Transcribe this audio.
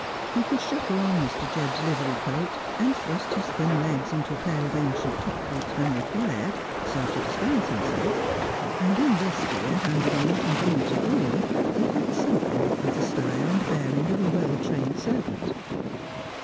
He could shuffle on Mr. Jebb's livery coat and thrust his thin legs into a pair of ancient top boots when re quired so to disguise himself, and in this gear, handed on from groom to groom, he had something of the style and bearing of a well trained servant.